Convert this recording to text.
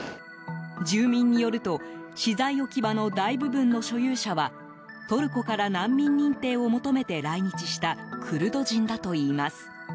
住民によると資材置き場の大部分の所有者はトルコから難民認定を求めて来日したクルド人だといいます。